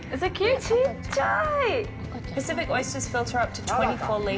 ちっちゃい！